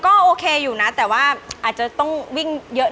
หมวกปีกดีกว่าหมวกปีกดีกว่า